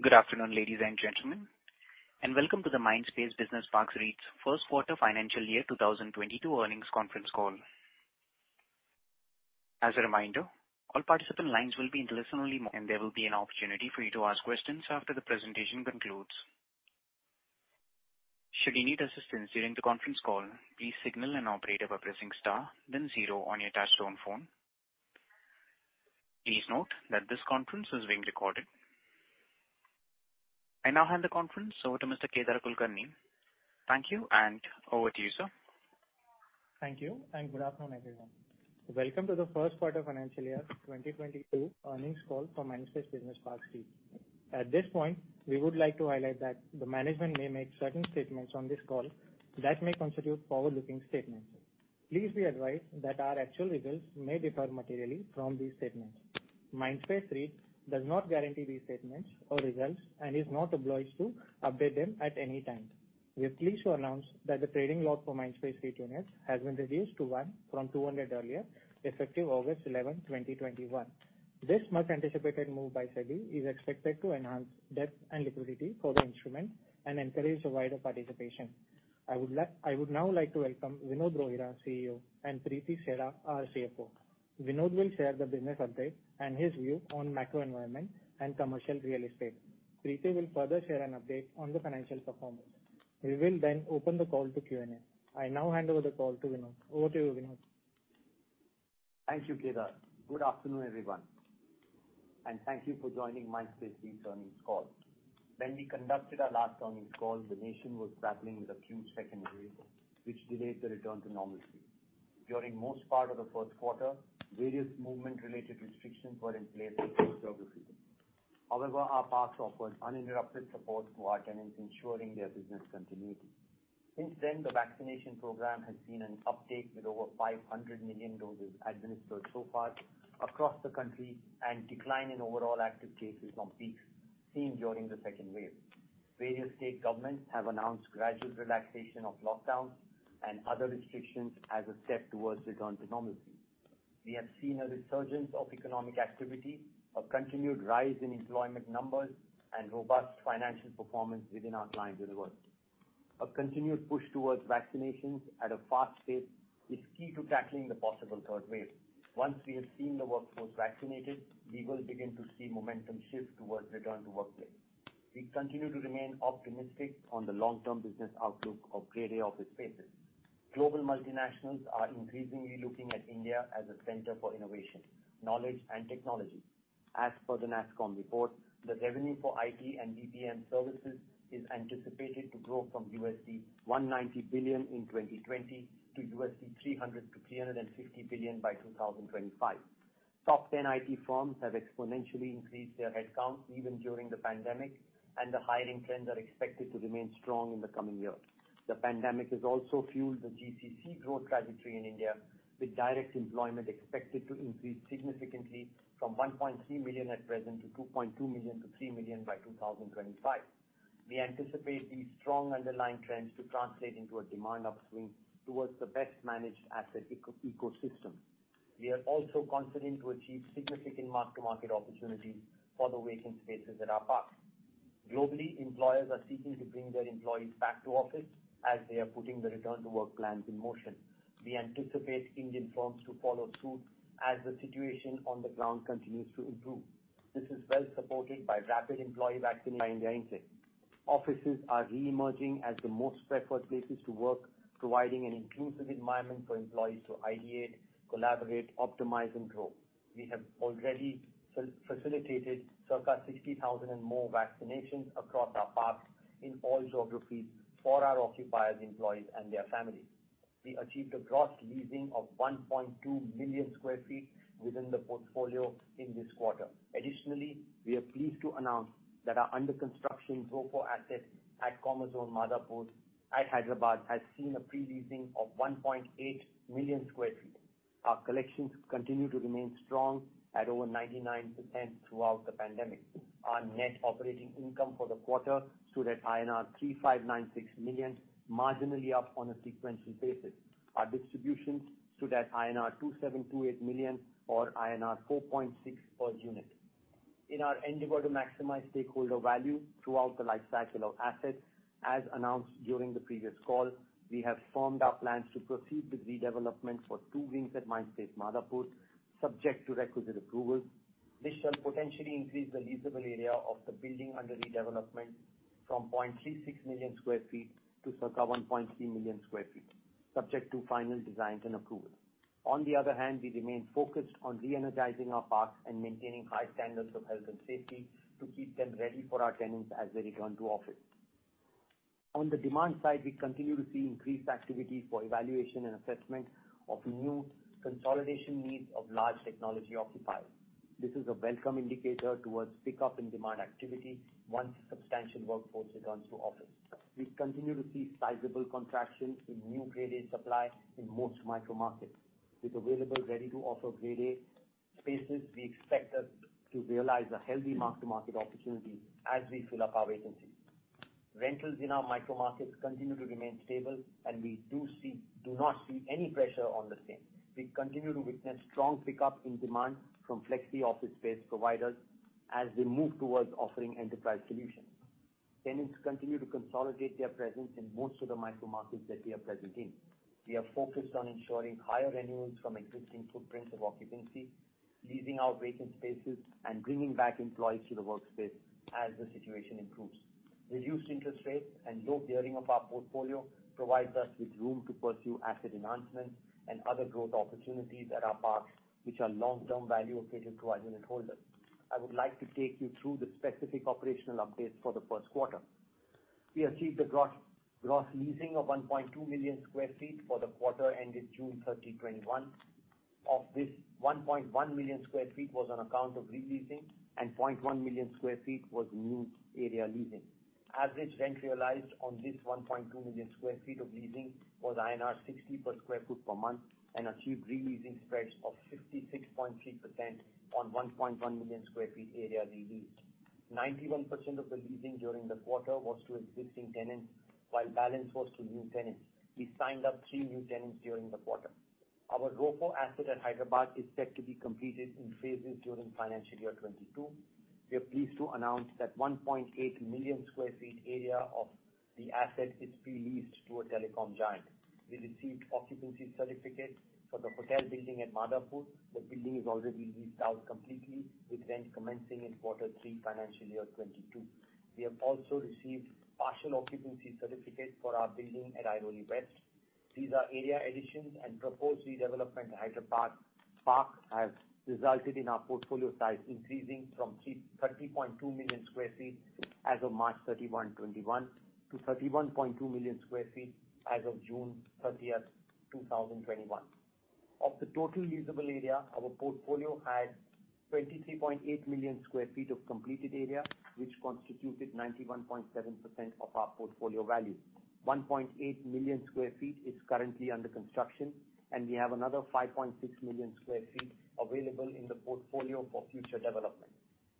Good afternoon, ladies and gentlemen, and welcome to the Mindspace Business Parks REIT's first quarter financial year 2022 earnings conference call. As a reminder, all participant lines will be in listen only mode, and there will be an opportunity for you to ask questions after the presentation concludes. Should you need assistance during the conference call, please signal an operator by pressing star then zero on your touch-tone phone. Please note that this conference is being recorded. I now hand the conference over to Mr. Kedar Kulkarni. Thank you, and over to you, sir. Thank you, and good afternoon, everyone. Welcome to the first quarter financial year 2022 earnings call for Mindspace Business Parks REIT. At this point, we would like to highlight that the management may make certain statements on this call that may constitute forward-looking statements. Please be advised that our actual results may differ materially from these statements. Mindspace REIT does not guarantee these statements or results and is not obliged to update them at any time. We are pleased to announce that the trading lot for Mindspace REIT units has been reduced to one from 200 earlier, effective August 11, 2021. This much-anticipated move by SEBI is expected to enhance depth and liquidity for the instrument and encourage wider participation. I would now like to welcome Vinod Rohira, CEO, and Preeti Chheda, our CFO. Vinod will share the business update and his view on macro environment and commercial real estate. Preeti Chheda will further share an update on the financial performance. We will then open the call to Q&A. I now hand over the call to Vinod Rohira. Over to you, Vinod Rohira. Thank you, Kedar. Good afternoon, everyone, and thank you for joining Mindspace REIT's earnings call. When we conducted our last earnings call, the nation was grappling with a huge second wave, which delayed the return to normalcy. During most part of the first quarter, various movement-related restrictions were in place in most geographies. However, our parks offered uninterrupted support to our tenants, ensuring their business continuity. Since then, the vaccination program has seen an uptake with over 500 million doses administered so far across the country and decline in overall active cases from peaks seen during the second wave. Various state governments have announced gradual relaxation of lockdowns and other restrictions as a step towards return to normalcy. We have seen a resurgence of economic activity, a continued rise in employment numbers, and robust financial performance within our clients' results. A continued push towards vaccinations at a fast pace is key to tackling the possible third wave. Once we have seen the workforce vaccinated, we will begin to see momentum shift towards return to workplace. We continue to remain optimistic on the long-term business outlook of Grade A office spaces. Global multinationals are increasingly looking at India as a center for innovation, knowledge, and technology. As per the NASSCOM report, the revenue for IT and BPM services is anticipated to grow from $190 billion in 2020 to $300 billion-$350 billion by 2025. Top 10 IT firms have exponentially increased their headcount even during the pandemic, and the hiring trends are expected to remain strong in the coming years. The pandemic has also fueled the GCC growth trajectory in India, with direct employment expected to increase significantly from 1.3 million at present to 2.2 million-3 million by 2025. We anticipate these strong underlying trends to translate into a demand upswing towards the best-managed asset ecosystem. We are also confident to achieve significant mark-to-market opportunities for the vacant spaces at our parks. Globally, employers are seeking to bring their employees back to office as they are putting the return-to-work plans in motion. We anticipate Indian firms to follow suit as the situation on the ground continues to improve. This is well supported by rapid employee vaccine offices are reemerging as the most preferred places to work, providing an inclusive environment for employees to ideate, collaborate, optimize, and grow. We have already facilitated circa 60,000 and more vaccinations across our parks in all geographies for our occupiers, employees, and their families. We achieved a gross leasing of 1,200,000 sq ft within the portfolio in this quarter. Additionally, we are pleased to announce that our under-construction ROFO asset at Commerzone Madhapur at Hyderabad has seen a pre-leasing of 1,800,000 sq ft. Our collections continue to remain strong at over 99% throughout the pandemic. Our net operating income for the quarter stood at INR 3,596 million, marginally up on a sequential basis. Our distributions stood at INR 2,728 million or INR 4.6 per unit. In our endeavor to maximize stakeholder value throughout the life cycle of assets, as announced during the previous call, we have firmed our plans to proceed with redevelopment for 2 wings at Mindspace Madhapur, subject to requisite approvals. This shall potentially increase the leasable area of the building under redevelopment from 360,000 sq ft to circa 1,300,000 sq ft, subject to final designs and approval. On the other hand, we remain focused on reenergizing our parks and maintaining high standards of health and safety to keep them ready for our tenants as they return to office. On the demand side, we continue to see increased activity for evaluation and assessment of new consolidation needs of large technology occupiers. This is a welcome indicator towards pickup in demand activity once substantial workforce returns to office. We've continued to see sizable contractions in new Grade A supply in most micro markets. With available ready-to-office Grade A spaces, we expect us to realize a healthy mark-to-market opportunity as we fill up our vacancies. Rentals in our micro markets continue to remain stable, and we do not see any pressure on the same. We continue to witness strong pickup in demand from flexi office space providers as we move towards offering enterprise solutions. Tenants continue to consolidate their presence in most of the micro markets that we are present in. We are focused on ensuring higher renewals from existing footprints of occupancy, leasing our vacant spaces, and bringing back employees to the workspace as the situation improves. Reduced interest rates and low gearing of our portfolio provides us with room to pursue asset enhancement and other growth opportunities at our parks, which are long-term value accretive to our unit holders. I would like to take you through the specific operational updates for the first quarter. We achieved the gross leasing of 1,200,000 sq ft for the quarter ending June 30, 2021. Of this, 1,100,000 sq ft was on account of re-leasing, and 100,000 sq ft was new area leasing. Average rent realized on this 1,200,000 sq ft of leasing was INR 60 per square foot per month, and achieved re-leasing spreads of 56.3% on 1,100,000 sq ft area re-leased. 91% of the leasing during the quarter was to existing tenants, while balance was to new tenants. We signed up three new tenants during the quarter. Our ROFO asset at Hyderabad is set to be completed in phases during FY 2022. We are pleased to announce that 1,800,000 sq ft area of the asset is pre-leased to a telecom giant. We received occupancy certificate for the hotel building at Madhapur. The building is already leased out completely with rents commencing in quarter three, financial year 2022. We have also received partial occupancy certificate for our building at Airoli West. These are area additions and proposed redevelopment Hyderabad Park have resulted in our portfolio size increasing from 30,200,000 sq ft as of March 31, 2021 to 31,200,000 sq ft as of June 30th, 2021. Of the total usable area, our portfolio has 23,800,000 sq ft of completed area, which constituted 91.7% of our portfolio value. 1,800,000 sq ft is currently under construction, and we have another 5,600,000 sq ft available in the portfolio for future development.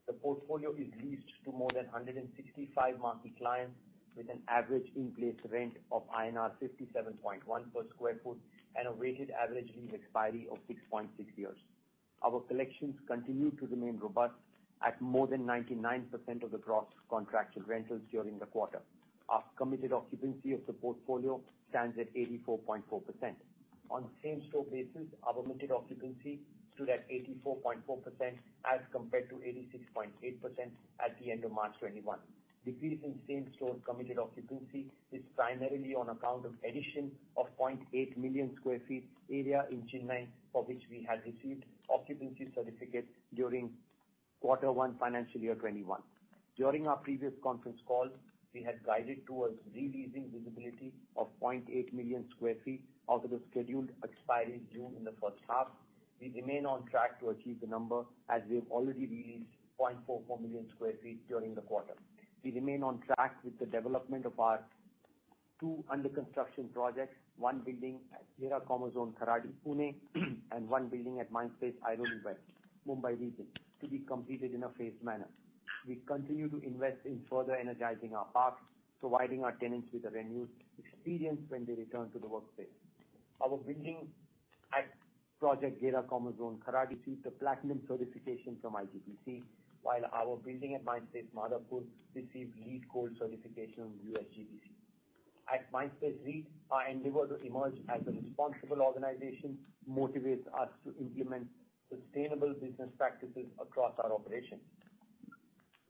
The portfolio is leased to more than 165 marquee clients, with an average in-place rent of INR 57.1 per square foot, and a weighted average lease expiry of 6.6 years. Our collections continue to remain robust at more than 99% of the gross contracted rentals during the quarter. Our committed occupancy of the portfolio stands at 84.4%. On same-store basis, our committed occupancy stood at 84.4%, as compared to 86.8% at the end of March 2021. Decrease in same-store committed occupancy is primarily on account of addition of 800,000 sq ft area in Chennai, for which we had received occupancy certificate during quarter one, FY 2021. During our previous conference call, we had guided towards re-leasing visibility of 800,000 sq ft out of the scheduled expiry June in the first half. We remain on track to achieve the number as we've already re-leased 440,000 sq ft during the quarter. We remain on track with the development of our two under-construction projects, one building at Gera Commerzone Kharadi, Pune, and one building at Mindspace Airoli West, Mumbai region, to be completed in a phased manner. We continue to invest in further energizing our parks, providing our tenants with a renewed experience when they return to the workspace. Our building at project Gera Commerzone Kharadi received a platinum certification from IGBC, while our building at Mindspace Madhapur received LEED gold certification from USGBC. At Mindspace REIT, our endeavor to emerge as a responsible organization motivates us to implement sustainable business practices across our operations.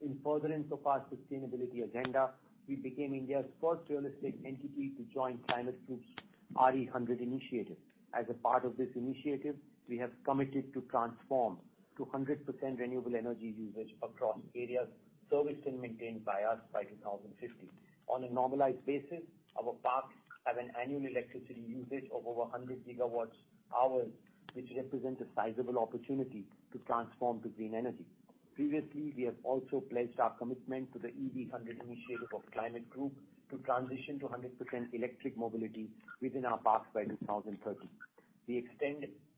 In furthering our sustainability agenda, we became India's first real estate entity to join Climate Group's RE100 initiative. As a part of this initiative, we have committed to transform to 100% renewable energy usage across areas serviced and maintained by us by 2050. On a normalized basis, our parks have an annual electricity usage of over 100 GWh, which represents a sizable opportunity to transform to green energy. Previously, we have also pledged our commitment to the EV100 initiative of The Climate Group to transition to 100% electric mobility within our parks by 2030. We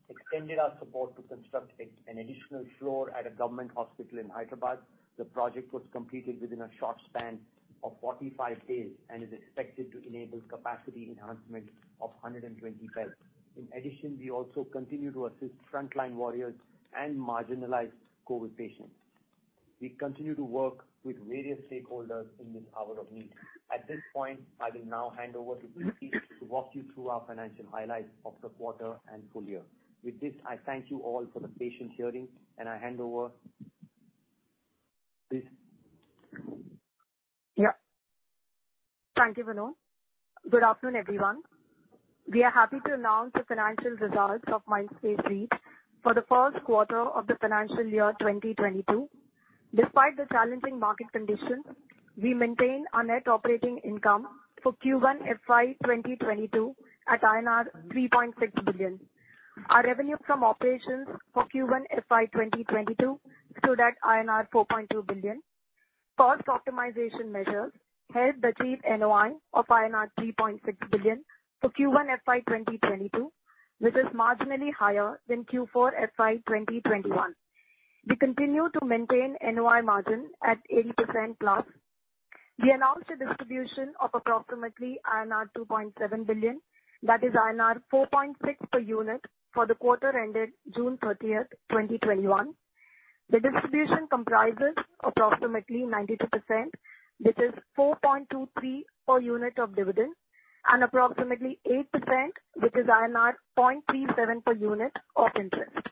extended our support to construct an additional floor at a government hospital in Hyderabad. The project was completed within a short span of 45 days, and is expected to enable capacity enhancement of 120 beds. In addition, we also continue to assist frontline warriors and marginalized COVID patients. We continue to work with various stakeholders in this hour of need. At this point, I will now hand over to Preeti to walk you through our financial highlights of the quarter and full-year. With this, I thank you all for the patient hearing, and I hand over. Preeti? Thank you, Vinod. Good afternoon, everyone. We are happy to announce the financial results of Mindspace REIT for the first quarter of the financial year 2022. Despite the challenging market conditions, we maintain our net operating income for Q1 FY 2022 at INR 3.6 billion. Our revenue from operations for Q1 FY 2022 stood at INR 4.2 billion. Cost optimization measures helped achieve NOI of INR 3.6 billion for Q1 FY 2022, which is marginally higher than Q4 FY 2021. We continue to maintain NOI margin at 80%+. We announced a distribution of approximately INR 2.7 billion, that is INR 4.6 per unit, for the quarter-ended June 30th, 2021. The distribution comprises approximately 92%, which is 4.23 per unit of dividend, and approximately 8%, which is INR 0.37 per unit of interest.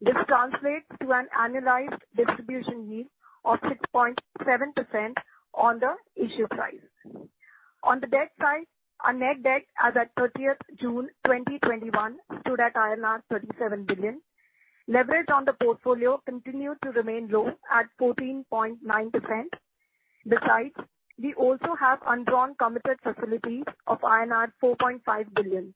This translates to an annualized distribution yield of 6.7% on the issue price. On the debt side, our net debt as at 30th June 2021 stood at INR 37 billion. Leverage on the portfolio continued to remain low at 14.9%. Besides, we also have undrawn committed facilities of INR 4.5 billion.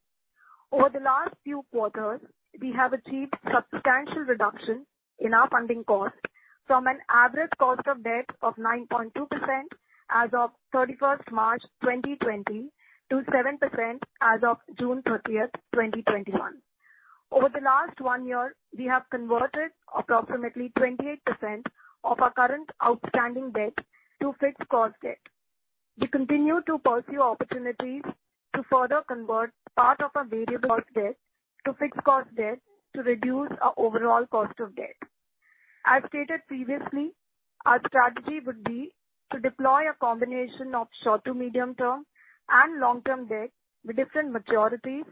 Over the last few quarters, we have achieved substantial reduction in our funding cost from an average cost of debt of 9.2% as of 31st March 2020 to 7% as of June 30th 2021. Over the last one year, we have converted approximately 28% of our current outstanding debt to fixed-cost debt. We continue to pursue opportunities to further convert part of our variable cost debt to fixed-cost debt to reduce our overall cost of debt. As stated previously, our strategy would be to deploy a combination of short to medium term and long-term debt with different maturities,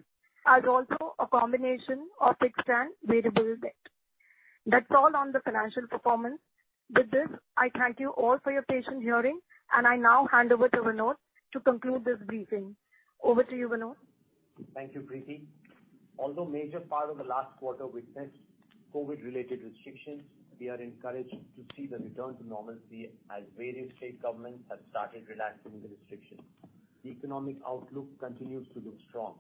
as also a combination of fixed and variable debt. That's all on the financial performance. With this, I thank you all for your patient hearing, and I now hand over to Vinod to conclude this briefing. Over to you, Vinod. Thank you, Preeti. Although major part of the last quarter witnessed COVID-related restrictions, we are encouraged to see the return to normalcy as various state governments have started relaxing the restrictions. The economic outlook continues to look strong.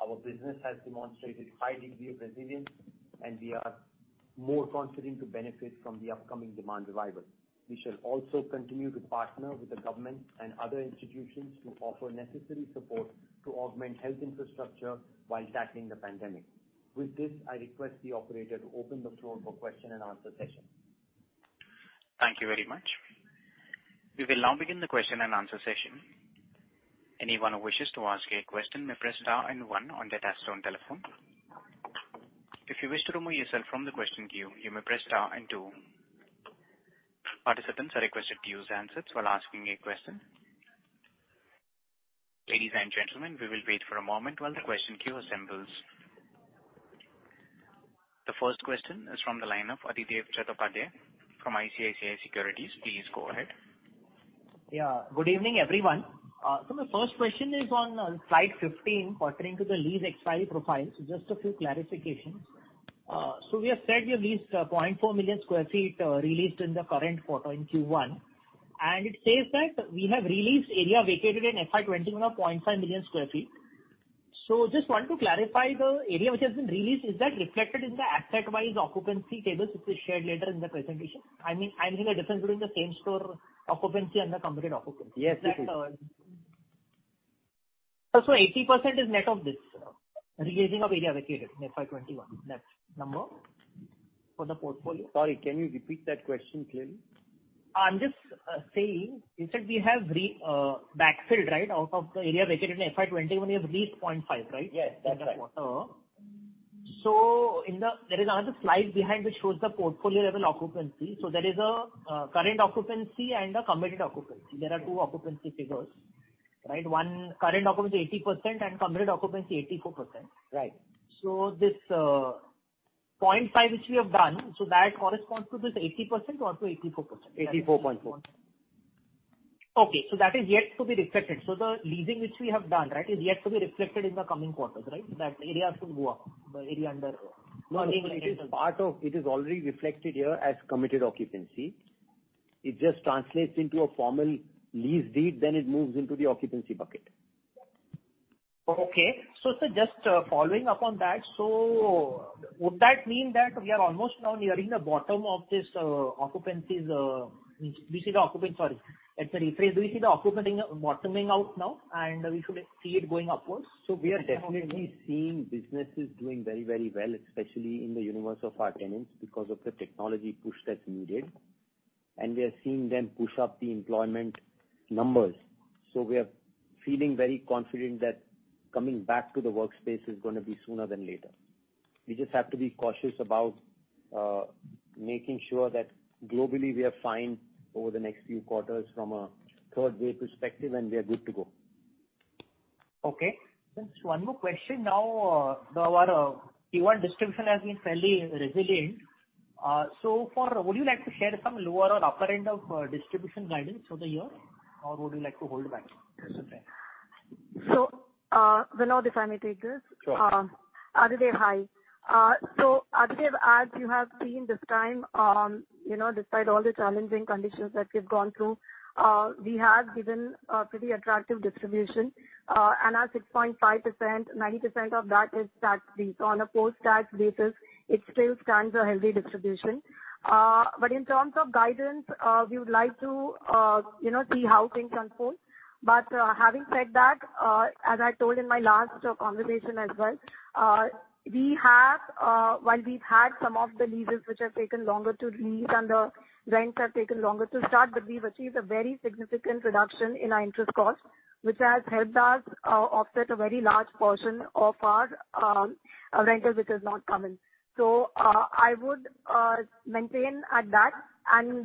Our business has demonstrated high degree of resilience, and we are more confident to benefit from the upcoming demand revival. We shall also continue to partner with the government and other institutions to offer necessary support to augment health infrastructure while tackling the pandemic. With this, I request the operator to open the floor for question-and-answer session. Thank you very much. We will now begin the question-and-answer session. Anyone who wishes to ask a question may press star one on their touch-tone telephone. If you wish to remove yourself from the question queue, you may press star two. Participants are requested to use answers while asking a question. Ladies and gentlemen, we will wait for a moment while the question queue assembles. The first question is from the line of Adhidev Chattopadhyay from ICICI Securities. Please go ahead. Yeah. Good evening, everyone. My first question is on Slide 15 pertaining to the lease expiry profile. Just a few clarifications. We have said we have leased 400,000 sq ft re-leased in the current quarter in Q1, and it says that we have re-leased area vacated in FY 2021 of 500,000 sq ft. Just want to clarify the area which has been re-leased, is that reflected in the asset-wise occupancy tables which we shared later in the presentation? I mean, I'm seeing a difference between the same store occupancy and the committed occupancy. Yes, it is. 80% is net of this re-leasing of area vacated in FY 2021, that number for the portfolio? Sorry, can you repeat that question clearly? I'm just saying you said we have backfilled out of the area vacated in FY 2021. We have re-leased 500,000 sq ft, right? Yes, that's right. In the quarter. There is another slide behind which shows the portfolio level occupancy. There is a current occupancy and a committed occupancy. There are two occupancy figures. One current occupancy, 80%, and committed occupancy, 84%. Right. This 500,000 sq ft which we have done, so that corresponds to this 80% or to 84%? 84.4%. Okay. That is yet to be reflected. The leasing which we have done is yet to be reflected in the coming quarters, right? That area should go up. No. It is already reflected here as committed occupancy. It just translates into a formal lease deed, then it moves into the occupancy bucket. Okay. Sir, just following up on that. Would that mean that we are almost now nearing the bottom of this occupancies Let me rephrase. Do we see the occupancy bottoming out now and we should see it going upwards? We are definitely seeing businesses doing very, very well, especially in the universe of our tenants because of the technology push that's needed. We are seeing them push up the employment numbers. We are feeling very confident that coming back to the workspace is going to be sooner than later. We just have to be cautious about making sure that globally we are fine over the next few quarters from a third wave perspective, and we are good to go. Okay. Just one more question now. Our Q1 distribution has been fairly resilient. Would you like to share some lower or upper end of distribution guidance for the year or would you like to hold back? Vinod, if I may take this. Sure. Adhidev, hi. Adhidev, as you have seen this time, despite all the challenging conditions that we have gone through, we have given a pretty attractive distribution. Our 6.5%, 90% of that is tax-based. On a post-tax basis, it still stands a healthy distribution. In terms of guidance, we would like to see how things unfold. Having said that, as I told in my last conversation as well, while we have had some of the leases which have taken longer to lease and the rents have taken longer to start, we have achieved a very significant reduction in our interest cost, which has helped us offset a very large portion of our rental, which has not come in. I would maintain at that and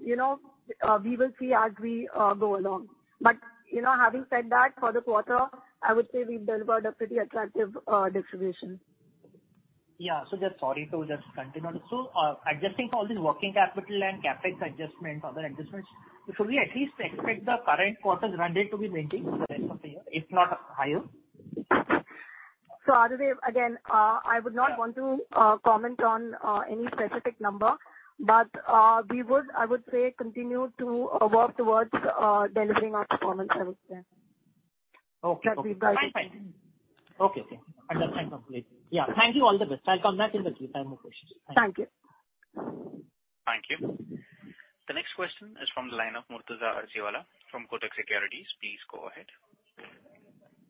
we will see as we go along. Having said that, for the quarter, I would say we have delivered a pretty attractive distribution. Yeah. Sorry to just continue on. Adjusting for all these working capital and CapEx adjustment, other adjustments, should we at least expect the current quarter's run rate to be maintained for the rest of the year, if not higher? Adhidev, again, I would not want to comment on any specific number, but we would, I would say, continue to work towards delivering our performance every quarter. Okay. That we guide. Fine. Okay. At that time, complete. Yeah. Thank you. All the best. I'll come back in the queue if I have more questions. Thank you. Thank you. The next question is from the line of Murtuza Arsiwalla from Kotak Securities. Please go ahead.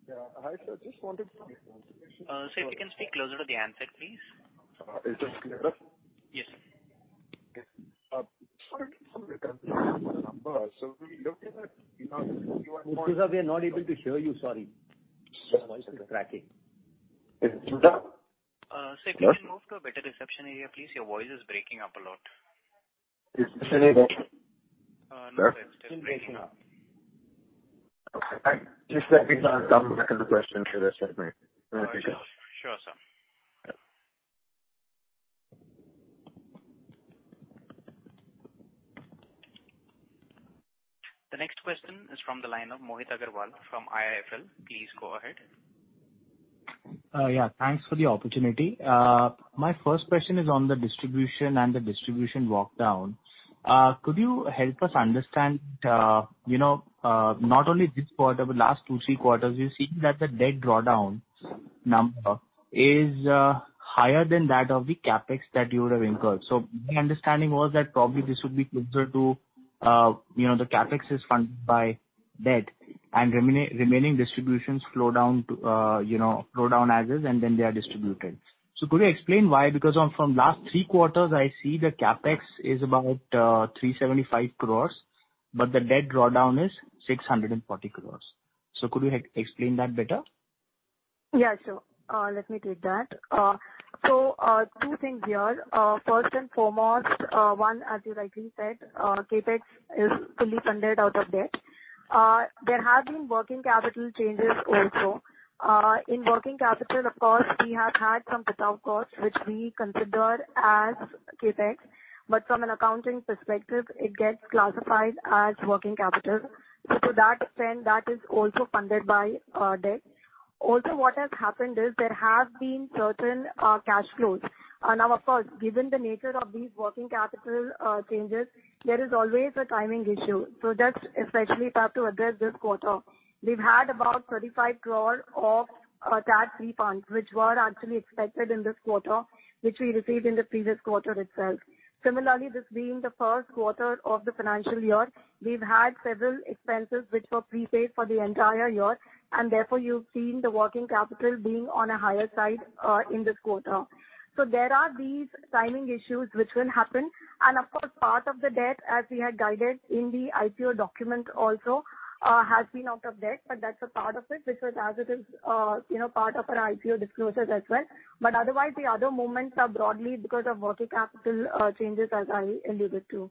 Yeah. Hi, sir. Sir, if you can speak closer to the handset, please. Is this clearer? Yes. Okay. Just wanted some number. We looked at it. Murtuza, we are not able to hear you, sorry. Your voice is cracking. Is it too loud? Sir, if you can move to a better reception area, please. Your voice is breaking up a lot. Is this any better? No, it's still breaking up. Okay. Just let me know sometime after the question so they accept me. Sure, sir. The next question is from the line of Mohit Agrawal from IIFL. Please go ahead. Yeah. Thanks for the opportunity. My first question is on the distribution and the distribution walk down. Could you help us understand, not only this quarter, but last two, three quarters, we're seeing that the debt drawdown number is higher than that of the CapEx that you would have incurred. The understanding was that probably this would be closer to the CapEx is funded by debt and remaining distributions flow down as is, and then they are distributed. Could you explain why? Because from last three quarters, I see the CapEx is about 375 crores, but the debt drawdown is 640 crores. Could you explain that better? Yeah, sure. Let me take that. Two things here. First and foremost, one, as you rightly said, CapEx is fully funded out of debt. There have been working capital changes also. In working capital, of course, we have had some fit-out costs, which we consider as CapEx, but from an accounting perspective, it gets classified as working capital. To that extent, that is also funded by debt. What has happened is there have been certain cash flows. Of course, given the nature of these working capital changes, there is always a timing issue. That especially if I have to address this quarter, we've had about 35 crore of tax refunds, which were actually expected in this quarter, which we received in the previous quarter itself. Similarly, this being the first quarter of the financial year, we've had several expenses which were prepaid for the entire year, and therefore you've seen the working capital being on a higher side, in this quarter. There are these timing issues which will happen. Of course, part of the debt, as we had guided in the IPO document also, has been out of debt, but that's a part of it, which was as it is part of our IPO disclosures as well. Otherwise, the other movements are broadly because of working capital changes as I alluded to.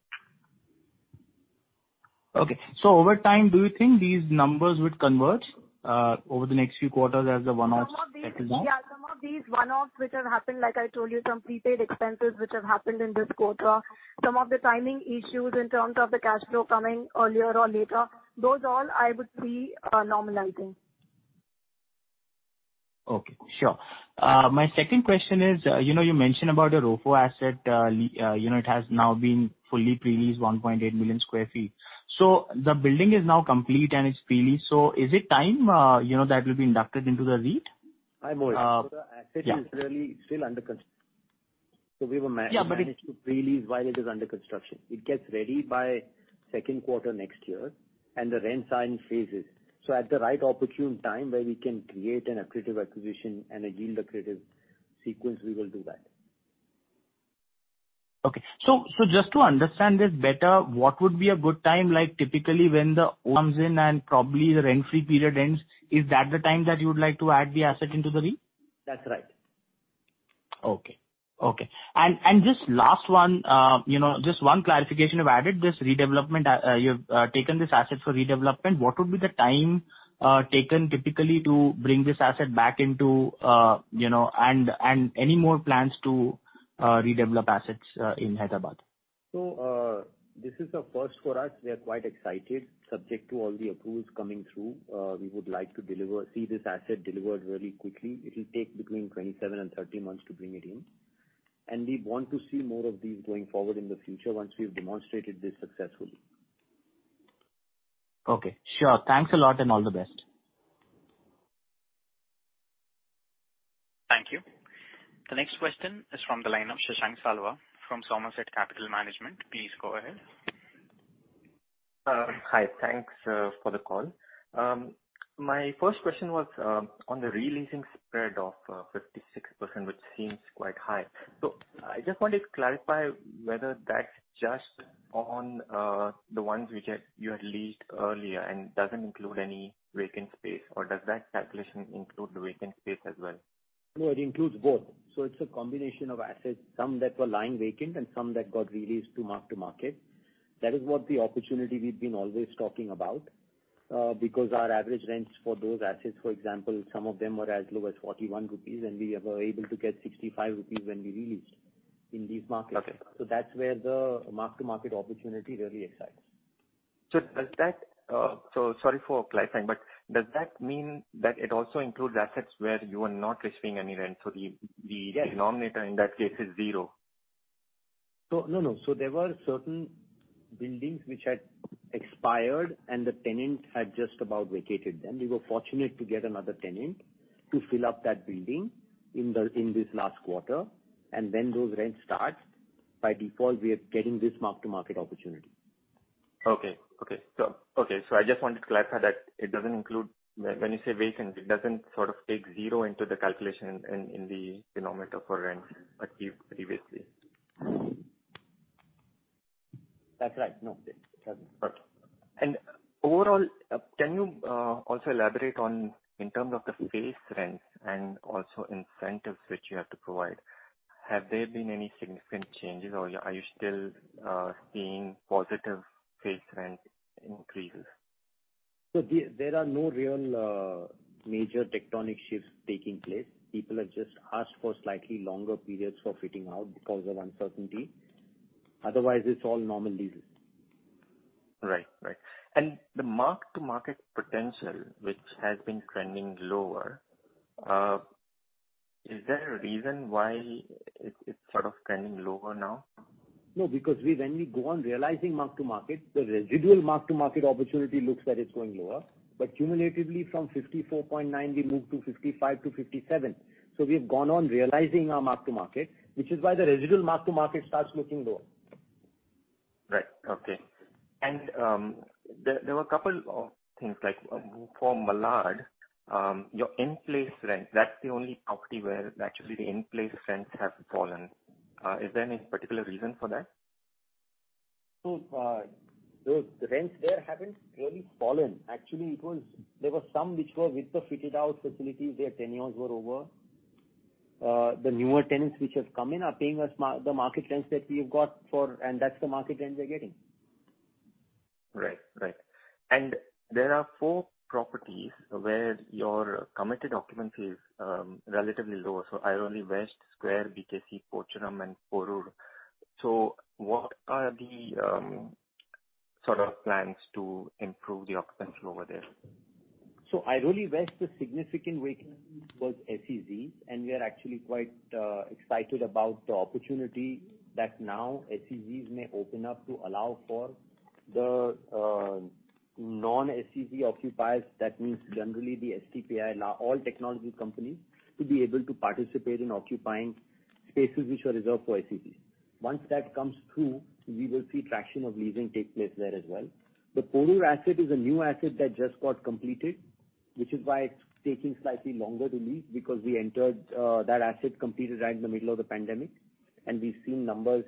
Okay. Over time, do you think these numbers would converge over the next few quarters as the one-offs exit out? Yeah. Some of these one-offs which have happened, like I told you, some prepaid expenses which have happened in this quarter, some of the timing issues in terms of the cash flow coming earlier or later, those all I would see normalizing. Okay. Sure. My second question is, you mentioned about a ROFO asset, it has now been fully pre-leased 1,800,000 sq ft. The building is now complete and it's pre-leased. Is it time that will be inducted into the REIT? Hi, Mohit. Yeah. The asset is really still under construction. Yeah, but. To pre-lease while it is under construction. It gets ready by second quarter next year and the rents are in phases. At the right opportune time where we can create an accretive acquisition and a yield accretive sequence, we will do that. Just to understand this better, what would be a good time, like typically when the comes in and probably the rent-free period ends, is that the time that you would like to add the asset into the REIT? That's right. Okay. Just last one, just one clarification. You've taken this asset for redevelopment, what would be the time taken typically to bring this asset back into and any more plans to redevelop assets in Hyderabad? This is the first for us. We are quite excited. Subject to all the approvals coming through, we would like to see this asset delivered very quickly. It'll take between 27 and 30 months to bring it in. We want to see more of these going forward in the future once we've demonstrated this successfully. Okay. Sure. Thanks a lot and all the best. Thank you. The next question is from the line of Shashank Savla from Somerset Capital Management. Please go ahead. Hi. Thanks for the call. My first question was on the re-leasing spread of 56%, which seems quite high. I just wanted to clarify whether that's just on the ones which you had leased earlier and doesn't include any vacant space, or does that calculation include the vacant space as well? No, it includes both. It's a combination of assets, some that were lying vacant and some that got re-leased to mark to market. That is what the opportunity we've been always talking about. Our average rents for those assets, for example, some of them were as low as 41 rupees, and we were able to get 65 rupees when we re-leased in these markets. Okay. That's where the mark-to-market opportunity really excites. Sorry for clarifying, but does that mean that it also includes assets where you are not receiving any rent? The denominator in that case is zero. No, no. There were certain buildings which had expired, and the tenant had just about vacated them. We were fortunate to get another tenant to fill up that building in this last quarter, and when those rents start, by default, we are getting this mark to market opportunity. Okay. I just wanted to clarify that when you say vacant, it doesn't sort of take 0 into the calculation in the denominator for rents achieved previously. That's right. No, it doesn't. Okay. Overall, can you also elaborate on, in terms of the base rents and also incentives which you have to provide, have there been any significant changes, or are you still seeing positive base rent increases? There are no real major tectonic shifts taking place. People have just asked for slightly longer periods for fitting out because of uncertainty. Otherwise, it's all normal leases. Right. The mark to market potential, which has been trending lower, is there a reason why it's sort of trending lower now? No, because when we go on realizing mark to market, the residual mark to market opportunity looks that it's going lower. Cumulatively from 54.9, we moved to 55-57. We've gone on realizing our mark to market, which is why the residual mark to market starts looking lower. Right. Okay. There were a couple of things like for Malad, your in-place rent, that's the only property where actually the in-place rents have fallen. Is there any particular reason for that? Those rents there haven't really fallen. Actually, there were some which were with the fitted-out facilities, their tenures were over. The newer tenants which have come in are paying us the market rents that we have got, and that's the market rent we're getting. Right. There are four properties where your committed occupancy is relatively lower. Airoli West, The Square, BKC, Pocharam, and Porur. What are the sort of plans to improve the occupancy over there? Airoli West, the significant vacancy was SEZs, and we are actually quite excited about the opportunity that now SEZs may open up to allow for the non-SEZ occupiers. That means generally the STPI and all technology companies to be able to participate in occupying spaces which were reserved for SEZs. Once that comes through, we will see traction of leasing take place there as well. The Porur asset is a new asset that just got completed, which is why it's taking slightly longer to lease because we entered that asset completed right in the middle of the pandemic, and we've seen numbers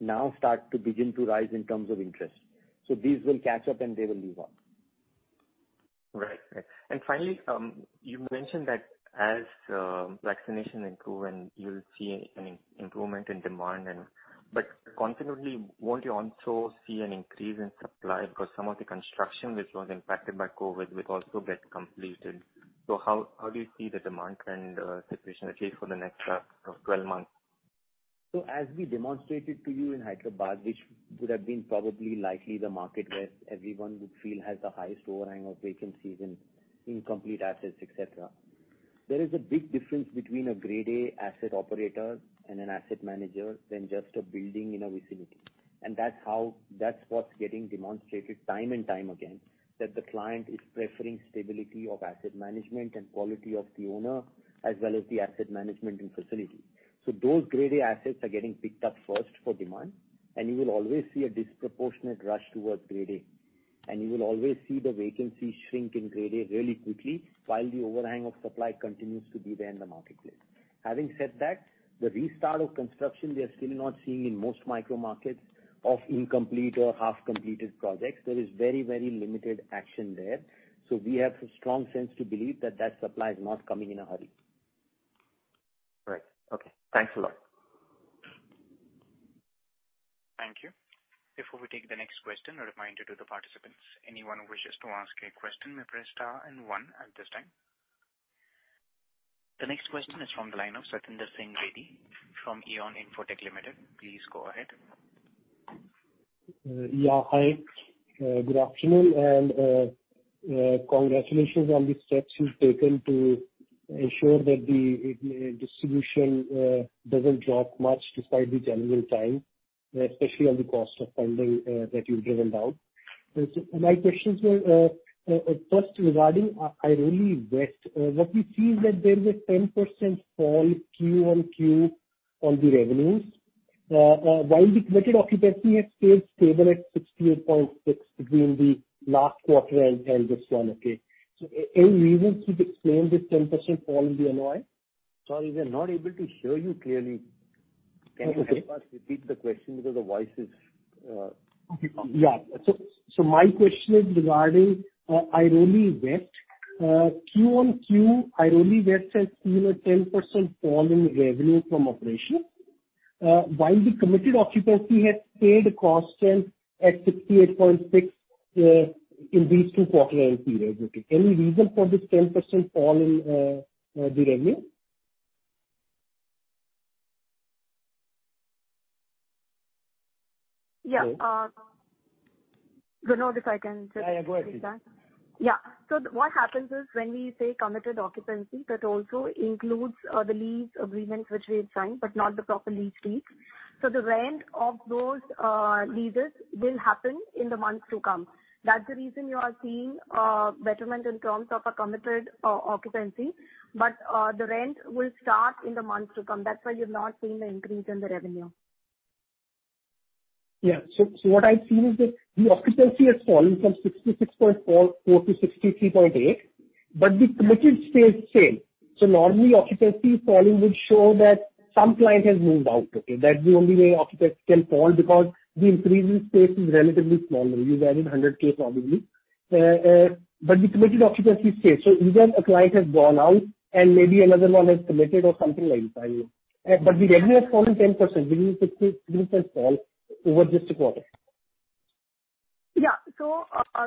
now start to begin to rise in terms of interest. These will catch up, and they will move up. Right. Finally, you mentioned that as vaccination improve and you'll see an improvement in demand but consequently, won't you also see an increase in supply because some of the construction which was impacted by COVID will also get completed? How do you see the demand trend situation, at least for the next 12 months? As we demonstrated to you in Hyderabad, which would have been probably likely the market where everyone would feel has the highest overhang of vacancies in incomplete assets, et cetera. There is a big difference between a Grade A asset operator and an asset manager than just a building in a vicinity. That's what's getting demonstrated time and time again, that the client is preferring stability of asset management and quality of the owner, as well as the asset management and facility. Those Grade A assets are getting picked up first for demand, and you will always see a disproportionate rush towards Grade A. You will always see the vacancy shrink in Grade A really quickly while the overhang of supply continues to be there in the marketplace. Having said that, the restart of construction, we are still not seeing in most micro markets of incomplete or half-completed projects. There is very limited action there. We have a strong sense to believe that that supply is not coming in a hurry. Right. Okay. Thanks a lot. Thank you. Before we take the next question, a reminder to the participants, anyone who wishes to ask a question may press star and one at this time. The next question is from the line of Satinder Singh Bedi from Eon Infotech Limited. Please go ahead. Hi, good afternoon, and congratulations on the steps you've taken to ensure that the distribution doesn't drop much despite the challenging time, especially on the cost of funding that you've given out. My questions were, first, regarding Airoli West. What we see is that there is a 10% fall Q-on Q-on the revenues. While the committed occupancy has stayed stable at 68.6 between the last quarter and this one. Any reason to explain this 10% fall in the NOI? Sorry, we are not able to hear you clearly. Okay. Can you help us, repeat the question because the voice is. My question is regarding Airoli West. Q-on-Q, Airoli West has seen a 10% fall in revenue from operations. While the committed occupancy has stayed constant at 68.6% in these two quarterly periods. Any reason for this 10% fall in the revenue? Yeah. Vinod. Yeah. Go ahead. Yeah. What happens is, when we say committed occupancy, that also includes the lease agreements which we have signed, but not the proper lease deeds. The rent of those leases will happen in the months to come. That's the reason you are seeing betterment in terms of a committed occupancy. The rent will start in the months to come. That's why you've not seen the increase in the revenue. Yeah. What I see is that the occupancy has fallen from 66.4% to 63.8%, but the committed space is same. Normally, occupancy falling would show that some client has moved out. Okay. That's the only way occupancy can fall because the increase in space is relatively small, you varied 100,000 probably. The committed occupancy is same. Either a client has gone out and maybe another one has committed or something like that, you know. The revenue has fallen 10%, giving 63.4% over this quarter. Yeah.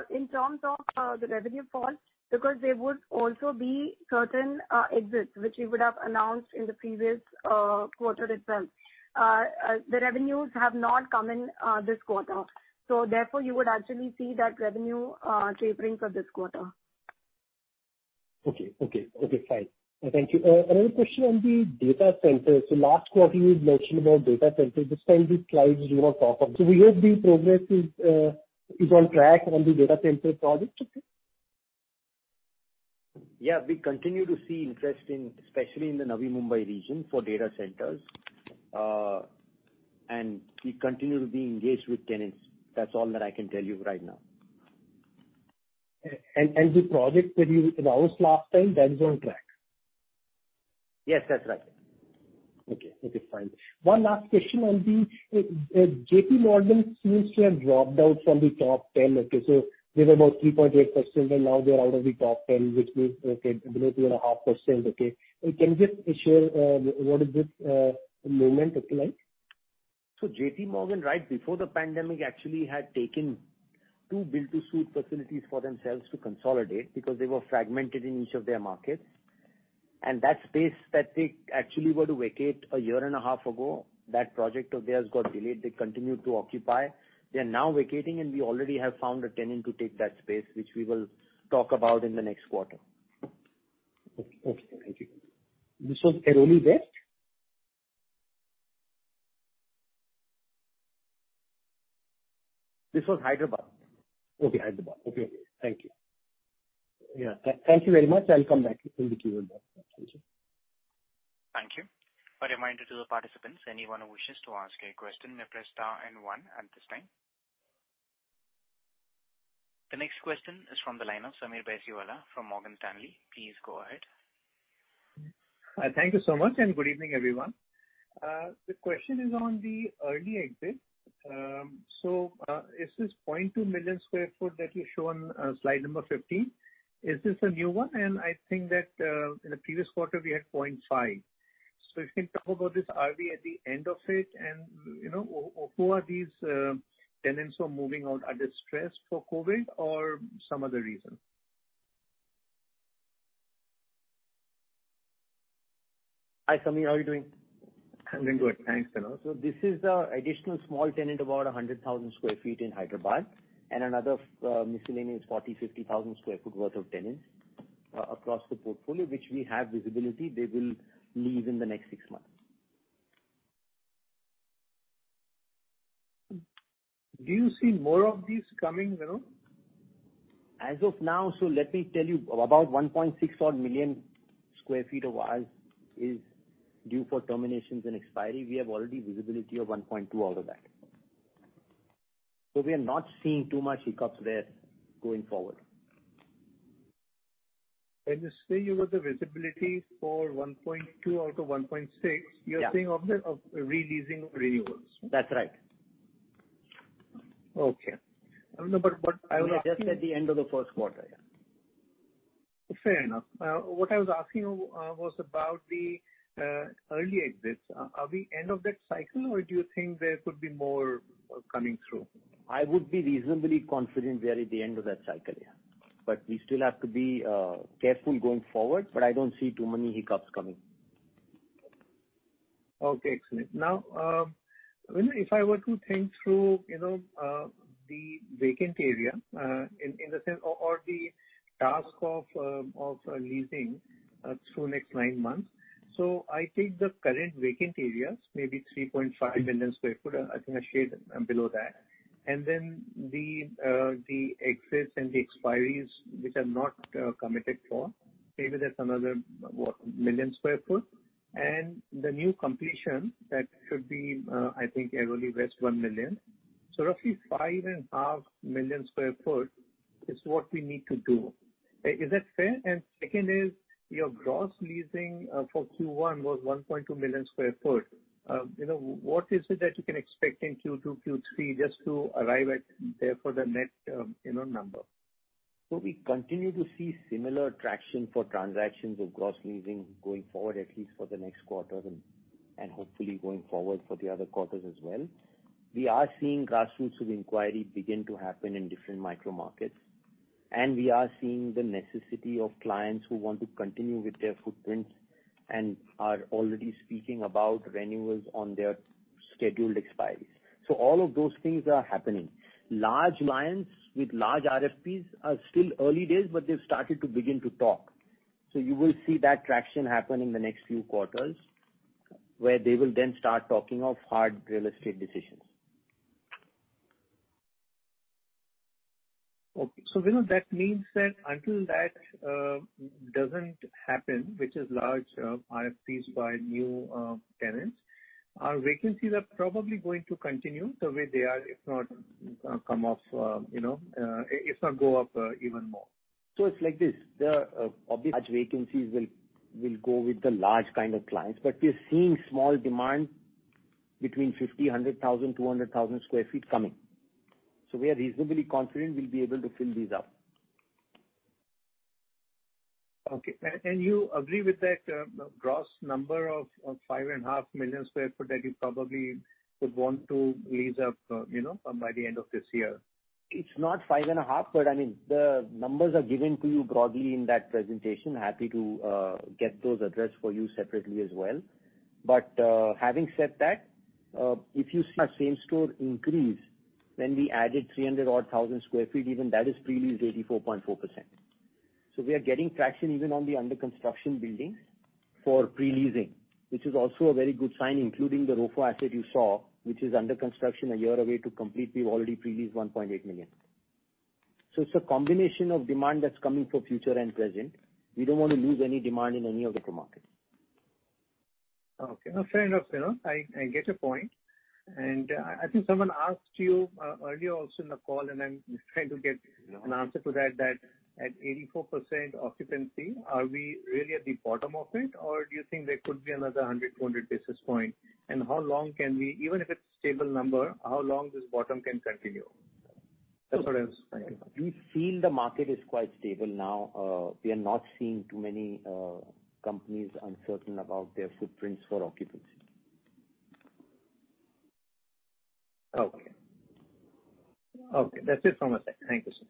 In terms of the revenue fall, because there would also be certain exits, which we would have announced in the previous quarter itself. The revenues have not come in this quarter. Therefore, you would actually see that revenue tapering for this quarter. Okay, fine. Thank you. Another question on the data centers. Last quarter, you had mentioned about data centers. This time, the slides do not talk of it. We hope the progress is on track on the data center project. Okay. Yeah, we continue to see interest, especially in the Navi Mumbai region for data centers. We continue to be engaged with tenants. That's all that I can tell you right now. The project that you announced last time, that is on track? Yes, that's right. Okay, fine. One last question on the JPMorgan seems to have dropped out from the top 10. Okay. They were about 3.8%, and now they're out of the top 10, which means below 2.5%. Okay. Can you just share what is this movement look like? JPMorgan, right before the pandemic actually had taken two build-to-suit facilities for themselves to consolidate, because they were fragmented in each of their markets. That space that they actually were to vacate a year and a half ago, that project of theirs got delayed. They continued to occupy. They are now vacating, and we already have found a tenant to take that space, which we will talk about in the next quarter. Okay. Thank you. This was Airoli West? This was Hyderabad. Okay, Hyderabad. Okay. Thank you. Yeah. Thank you very much. I'll come back in the queue. Thank you. Thank you. A reminder to the participants, anyone who wishes to ask a question may press star and one at this time. The next question is from the line of Sameer Baisiwala from Morgan Stanley. Please go ahead. Thank you so much, and good evening, everyone. The question is on the early exit. Is this 200,000 sq ft that you show on Slide number 15, is this a new one? I think that in the previous quarter, we had 500,000 sq ft. If you can talk about this, are we at the end of it? Who are these tenants who are moving out, are they stressed for COVID or some other reason? Hi, Sameer. How are you doing? I'm doing good. Thanks, Vinod. This is additional small tenant, about 100,000 sq ft in Hyderabad, and another miscellaneous 40,000 sq ft-50,000 sq ft worth of tenants across the portfolio, which we have visibility they will leave in the next six months. Do you see more of these coming, Vinod? As of now, let me tell you about 1,600,000 sq ft odd of ours is due for terminations and expiry. We have already visibility of 1,200,000 sq ft out of that. We are not seeing too much hiccups there going forward. When you say you got the visibility for 1,200,00 sq ft out of 1,600,000 sq ft? Yeah. you're saying of re-leasing renewals? That's right. Okay. Just at the end of the first quarter, yeah. Fair enough. What I was asking you was about the early exits. Are we end of that cycle, or do you think there could be more coming through? I would be reasonably confident we are at the end of that cycle, yeah. We still have to be careful going forward, but I don't see too many hiccups coming. Okay, excellent. Vinod, if I were to think through the vacant area or the task of leasing through next nine months. I take the current vacant areas, maybe 3,500,000 sq ft, I think I shared below that. The exits and the expiries which are not committed for, maybe that's another 1,000,000 sq ft. The new completion, that should be, I think, Airoli West, 1,000,000 sq ft. Roughly 5,500,000 sq ft is what we need to do. Is that fair? Second is, your gross leasing for Q1 was 1,200,000 sq ft. What is it that you can expect in Q2, Q3, just to arrive at therefore the net number? We continue to see similar traction for transactions of gross leasing going forward, at least for the next quarter, and hopefully going forward for the other quarters as well. We are seeing green shoots begin to happen in different micro markets. We are seeing the necessity of clients who want to continue with their footprints and are already speaking about renewals on their scheduled expiries. All of those things are happening. Large clients with large RFPs are still early days, but they've started to begin to talk. You will see that traction happen in the next few quarters, where they will then start talking of hard real estate decisions. Okay. That means that until that doesn't happen, which is large RFPs by new tenants, our vacancies are probably going to continue the way they are, if not go up even more. It's like this. The large vacancies will go with the large kind of clients, but we are seeing small demand between 50,000 sq ft, 100,000 sq ft, 200,000 sq ft coming. We are reasonably confident we'll be able to fill these up. Okay. you agree with that gross number of 5,500,000 sq ft that you probably would want to lease up by the end of this year? It's not 5,500,000 sq ft. The numbers are given to you broadly in that presentation. Happy to get those addressed for you separately as well. Having said that, if you see our same store increase when we added 300,000 odd sq ft, even that is pre-leased 84.4%. We are getting traction even on the under-construction buildings for pre-leasing, which is also a very good sign, including the ROFO asset you saw, which is under construction, a year away to complete. We've already pre-leased 1,800,000 sq ft. It's a combination of demand that's coming for future and present. We don't want to lose any demand in any of the markets. Okay. Fair enough. I get your point. I think someone asked you earlier also in the call, and I'm just trying to get an answer to that at 84% occupancy, are we really at the bottom of it, or do you think there could be another 100, 200 basis point? Even if it's a stable number, how long this bottom can continue? That's what I was trying to find. We feel the market is quite stable now. We are not seeing too many companies uncertain about their footprints for occupancy. Okay. That's it from my side. Thank you, sir.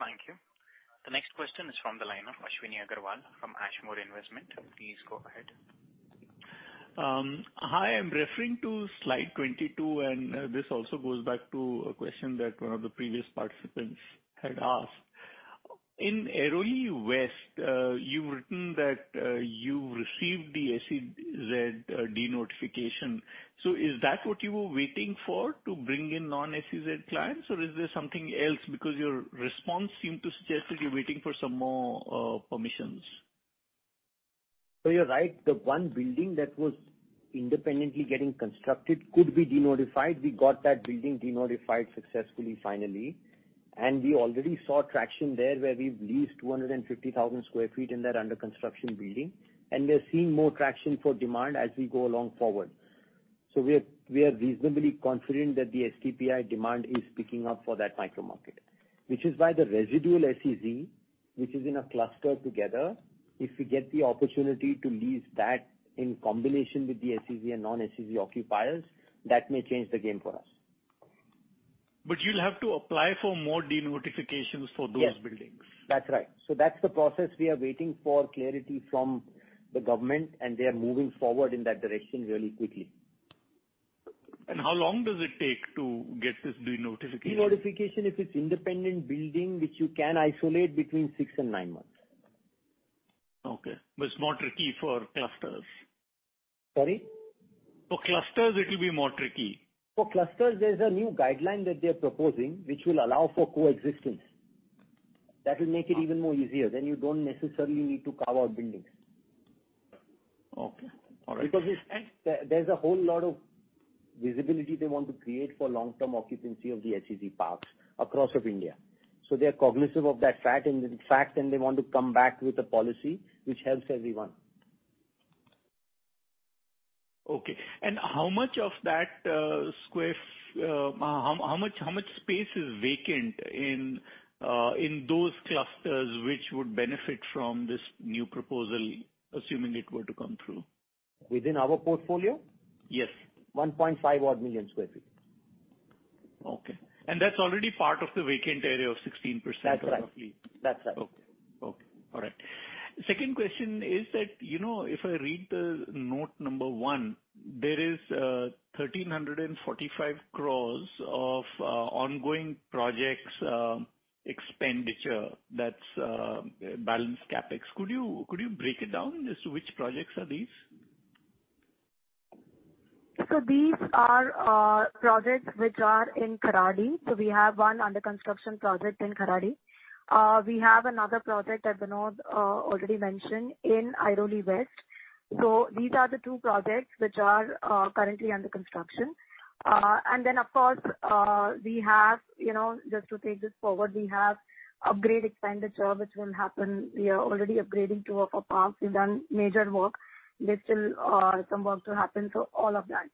Thank you. The next question is from the line of Ashwini Agarwal from Ashmore Group. Please go ahead. Hi, I'm referring to Slide 22. This also goes back to a question that one of the previous participants had asked. In Airoli West, you've written that you've received the SEZ denotification. Is that what you were waiting for to bring in non-SEZ clients, or is there something else? Because your response seemed to suggest that you're waiting for some more permissions. You're right, the one building that was independently getting constructed could be denotified. We got that building denotified successfully finally, and we already saw traction there where we've leased 250,000 sq ft in that under-construction building, and we are seeing more traction for demand as we go along forward. We are reasonably confident that the STPI demand is picking up for that micro market. Which is why the residual SEZ, which is in a cluster together, if we get the opportunity to lease that in combination with the SEZ and non-SEZ occupiers, that may change the game for us. You'll have to apply for more denotifications for those buildings. Yes. That's right. That's the process. We are waiting for clarity from the government, and we are moving forward in that direction really quickly. How long does it take to get this denotification? Denotification, if it's independent building which you can isolate, between six and nine months. Okay. It's more tricky for clusters. Sorry? For clusters, it will be more tricky. For clusters, there's a new guideline that they're proposing which will allow for coexistence. That will make it even more easier. You don't necessarily need to carve out buildings. Okay. All right. There's a whole lot of visibility they want to create for long-term occupancy of the SEZ parks across India. They're cognitive of that fact, and they want to come back with a policy which helps everyone. Okay. How much space is vacant in those clusters which would benefit from this new proposal, assuming it were to come through? Within our portfolio? Yes. 1,500,000 odd sq ft. Okay. That's already part of the vacant area of 16% roughly. That's right. Okay. All right. Second question is that, if I read the note number one, there is 1,345 crores of ongoing projects expenditure. That's balanced CapEx. Could you break it down as to which projects are these? These are projects which are in Kharadi. We have one under-construction project in Kharadi. We have another project that Vinod already mentioned in Airoli West. These are the two projects which are currently under construction. Of course, just to take this forward, we have upgrade expenditure, which will happen. We are already upgrading two of our parks. We've done major work. There's still some work to happen for all of that.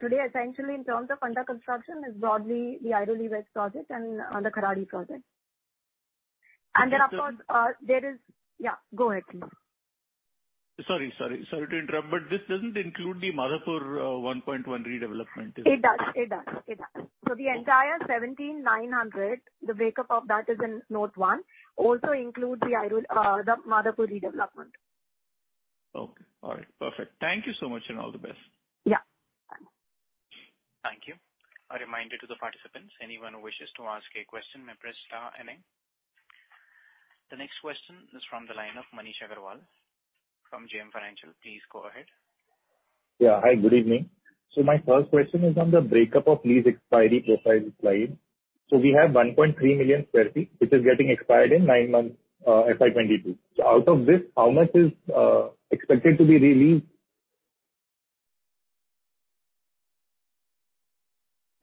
Today, essentially, in terms of under-construction is broadly the Airoli West project and the Kharadi project. Of course, there is Yeah, go ahead, Vinod. Sorry to interrupt, this doesn't include the Madhapur 1.1 redevelopment. It does. The entire 1,709 crores, the breakup of that is in note one, also includes the Madhapur redevelopment. Okay. All right, perfect. Thank you so much, and all the best. Yeah. Thank you. A reminder to the participants, anyone who wishes to ask a question may press star and 8. The next question is from the line of Manish Agrawal from JM Financial. Please go ahead. Yeah. Hi, good evening. My first question is on the breakup of lease expiry profile slide. We have 1,300,000 sq ft, which is getting expired in nine months FY 2022. Out of this, how much is expected to be re-leased?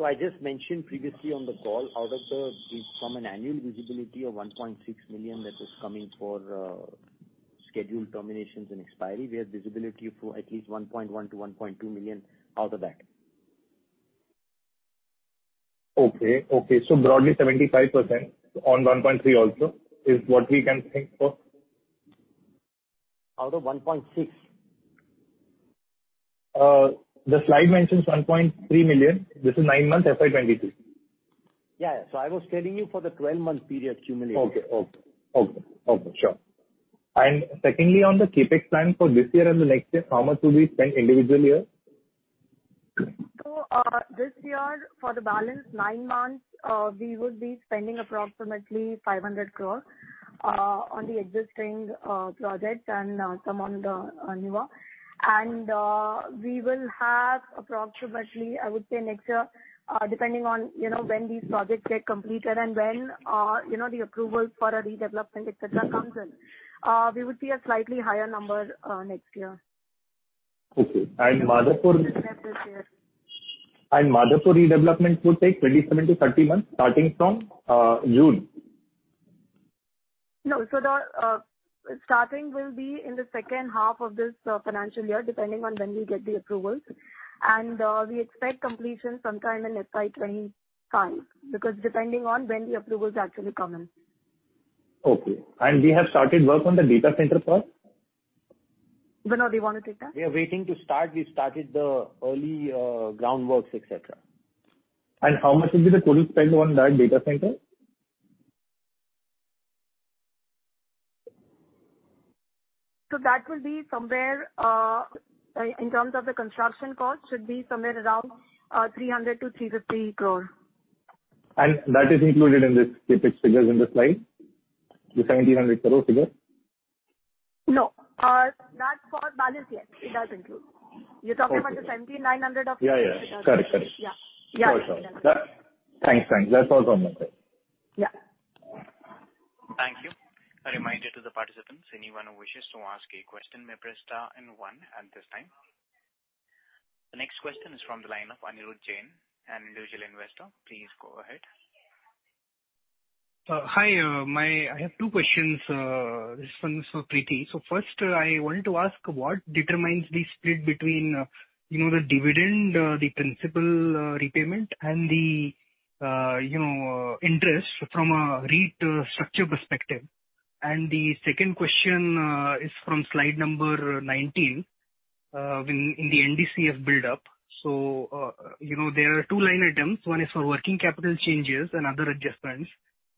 I just mentioned previously on the call, from an annual visibility of 1,600,000 sq ft that is coming for scheduled terminations and expiry, we have visibility for at least 1,100,000 sq ft-1,200,000 sq ft out of that. Okay. broadly 75% on 1,300,000 sq ft also is what we can think of? Out of 1,600,000 sq ft. The slide mentions 1,300,000 sq ft. This is nine months FY 2022. Yeah. I was telling you for the 12-month period cumulative. Okay. Sure. Secondly, on the CapEx plan for this year and the next year, how much will we spend individually? This year, for the balance nine months, we would be spending approximately 500 crores on the existing projects and some on the newer. We will have approximately, I would say next year, depending on when these projects get completed and when the approval for a redevelopment et cetera comes in. We would see a slightly higher number next year. Okay. Madhapur. this year. Madhapur redevelopment would take 27-30 months starting from June. No. The starting will be in the second half of this financial year, depending on when we get the approvals. We expect completion sometime in FY 2025, because depending on when the approvals actually come in. Okay. We have started work on the data center part? Vinod, you want to take that? We are waiting to start. We started the early groundworks, et cetera. How much will be the total spend on that data center? That will be somewhere, in terms of the construction cost, should be somewhere around 300 crores-350 crores. That is included in this CapEx figures in the slide? The 1,700 crore figure? No. That's for [Bare shell]. It does include. You're talking about the 1,709 crores of- Yeah. Correct. Yeah. Thanks. That's all from my side. Yeah. Thank you. A reminder to the participants, anyone who wishes to ask a question may press star and 1 at this time. The next question is from the line of Anirudh Jain, an individual investor. Please go ahead. Hi. I have two questions. This one is for Preeti. First, I want to ask what determines the split between the dividend, the principal repayment, and the interest from a REIT structure perspective? The second question is from Slide number 19, in the NDCF build-up. There are two line items. One is for working capital changes and other adjustments,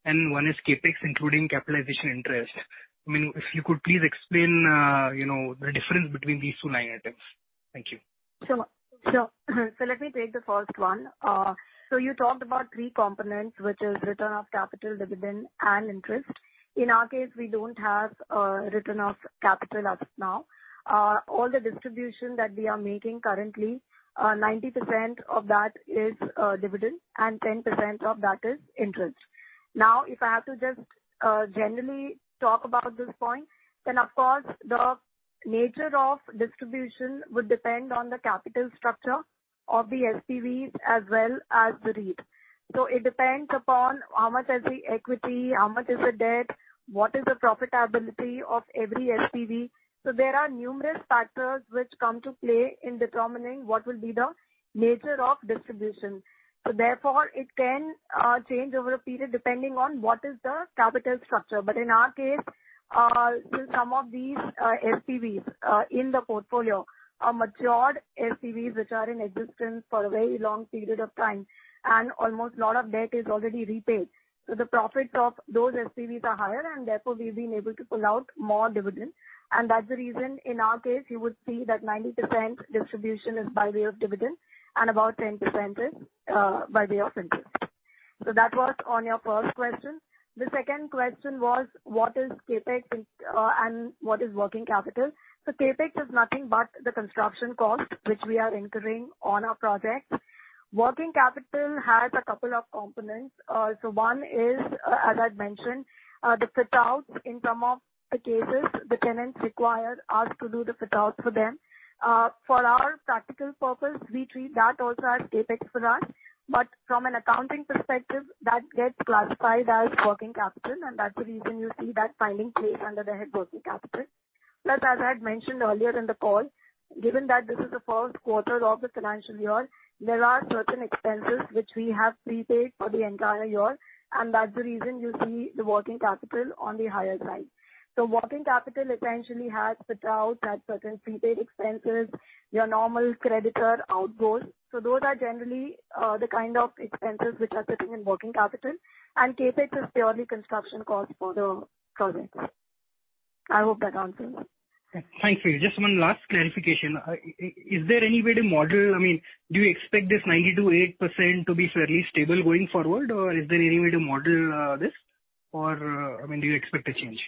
and one is CapEx, including capitalization interest. If you could please explain the difference between these two line items. Thank you. Sure. Let me take the first one. You talked about three components, which is return of capital, dividend, and interest. In our case, we don't have a return of capital as of now. All the distribution that we are making currently, 90% of that is dividend and 10% of that is interest. If I have to just generally talk about this point, then of course, the nature of distribution would depend on the capital structure of the SPVs as well as the REIT. It depends upon how much is the equity, how much is the debt, what is the profitability of every SPV. There are numerous factors which come to play in determining what will be the nature of distribution. Therefore, it can change over a period depending on what is the capital structure. In our case, since some of these SPVs in the portfolio are matured SPVs which are in existence for a very long period of time, and almost a lot of debt is already repaid. The profit of those SPVs are higher, and therefore we've been able to pull out more dividend. That's the reason, in our case, you would see that 90% distribution is by way of dividend and about 10% is by way of interest. That was on your first question. The second question was: what is CapEx and what is working capital? CapEx is nothing but the construction cost, which we are incurring on our projects. Working capital has a couple of components. One is, as I'd mentioned, the fit-outs. In some of the cases, the tenants require us to do the fit-outs for them. For our practical purpose, we treat that also as CapEx for us. From an accounting perspective, that gets classified as working capital, and that's the reason you see that finding place under the head working capital. As I'd mentioned earlier in the call, given that this is the first quarter of the financial year, there are certain expenses which we have prepaid for the entire year, and that's the reason you see the working capital on the higher side. Working capital essentially has fit-outs, has certain prepaid expenses, your normal creditor outgoings. Those are generally the kind of expenses which are sitting in working capital and CapEx is purely construction cost for the projects. I hope that answers it. Thanks. Just one last clarification. Is there any way to model, do you expect this 92.8% to be fairly stable going forward or is there any way to model this? Do you expect a change?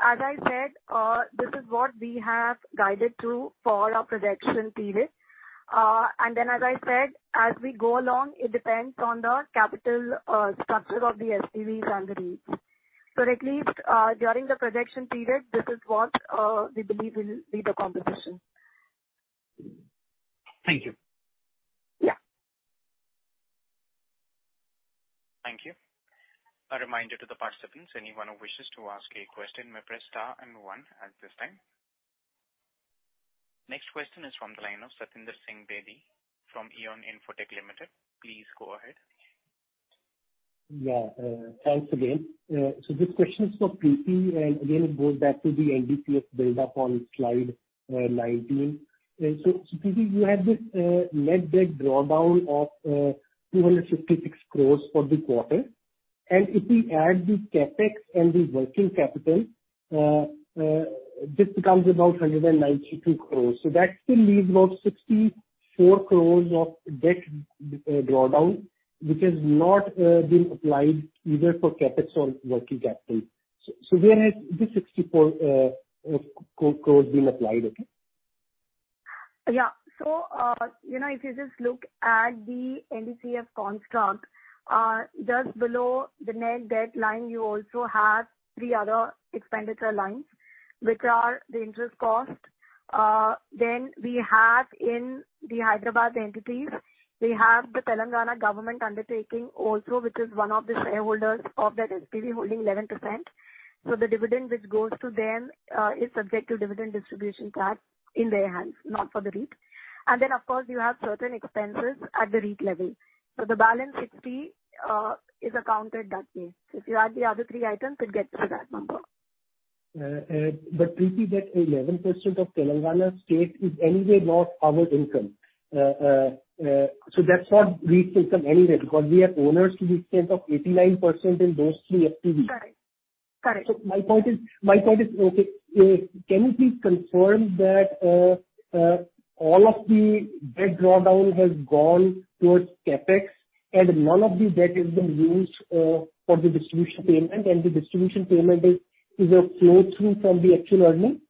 As I said, this is what we have guided to for our projection period. Then as I said, as we go along, it depends on the capital structure of the SPVs and the REITs. At least, during the projection period, this is what we believe will be the composition. Thank you. Yeah. Thank you. A reminder to the participants, anyone who wishes to ask a question may press star and one at this time. Next question is from the line of Satinder Singh Bedi from EON Infotech Limited. Please go ahead. Yeah. Thanks again. This question is for Preeti, and again, it goes back to the NDCF build-up on Slide 19. Preeti, you had this net debt drawdown of 256 crores for the quarter. If we add the CapEx and the working capital, this becomes about 192 crores. That still leaves about 64 crores of debt drawdown, which has not been applied either for CapEx or working capital. Where has this 64 crores been applied, okay? Yeah. If you just look at the NDCF construct, just below the net debt line, you also have three other expenditure lines, which are the interest cost. We have in the Hyderabad entities, we have the Telangana government undertaking also, which is one of the shareholders of that SPV holding 11%. The dividend which goes to them is subject to dividend distribution tax in their hands, not for the REIT. Of course, you have certain expenses at the REIT level. The balance 60 is accounted that way. If you add the other three items, it gets to that number. Preeti, that 11% of Telangana State is anyway not our income. That's not REIT income anyway because we are owners to the extent of 89% in those three SPVs. Correct. My point is, can you please confirm that all of the debt drawdown has gone towards CapEx and none of the debt has been used for the distribution payment and the distribution payment is a flow-through from the actual earnings?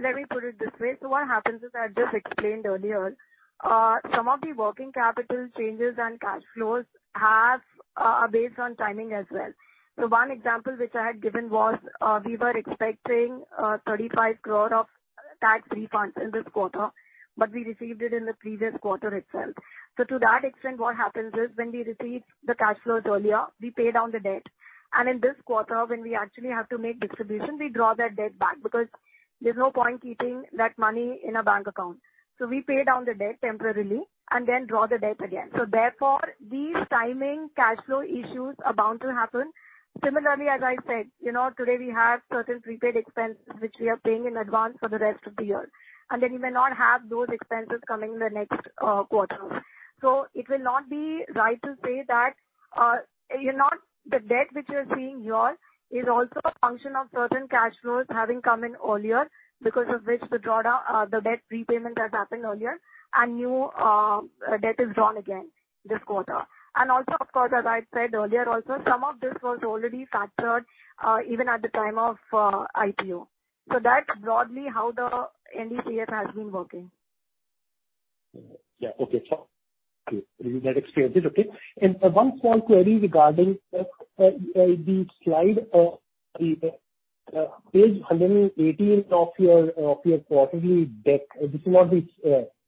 Let me put it this way. What happens is, I've just explained earlier. Some of the working capital changes and cash flows have a base on timing as well. One example which I had given was, we were expecting 35 crore of tax refunds in this quarter, but we received it in the previous quarter itself. To that extent, what happens is when we receive the cash flows earlier, we pay down the debt. In this quarter, when we actually have to make distribution, we draw that debt back because there's no point keeping that money in a bank account. We pay down the debt temporarily and then draw the debt again. Therefore, these timing cash flow issues are bound to happen. Similarly as I said, today we have certain prepaid expenses which we are paying in advance for the rest of the year. We may not have those expenses coming the next quarters. It will not be right to say that the debt which you're seeing here is also a function of certain cash flows having come in earlier because of which the debt prepayment has happened earlier and new debt is drawn again this quarter. Also, of course, as I said earlier also, some of this was already factored even at the time of IPO. That's broadly how the NDCF has been working. Yeah. Okay. Sure. Thank you. That explains it. Okay. One small query regarding the slide, Page 118 of your quarterly deck. This is not this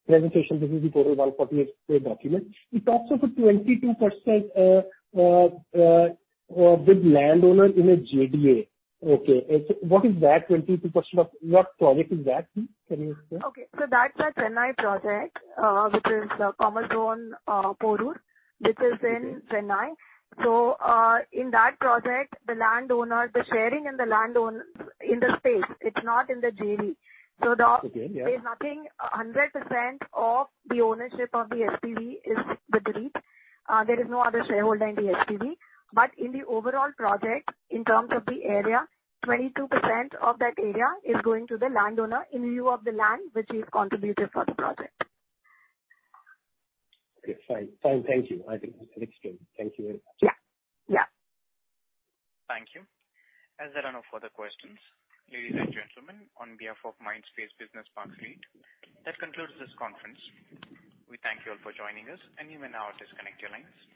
presentation. This is the Q1 148-page document. It talks of a 22% with landowner in a JDA. Okay. What is that 22% of, what project is that, can you explain? Okay, that's our Chennai project, which is the Commerzone Porur which is in Chennai. In that project, the sharing in the land owner in the space, it's not in the JV. Again, yeah. There's nothing. 100% of the ownership of the SPV is with the REIT. There is no other shareholder in the SPV. In the overall project, in terms of the area, 22% of that area is going to the landowner in lieu of the land which he's contributed for the project. Okay, fine. Thank you. I think that is clear. Thank you very much. Yeah. Thank you. As there are no further questions, ladies and gentlemen, on behalf of Mindspace Business Parks REIT, that concludes this conference. We thank you all for joining us, and you may now disconnect your lines.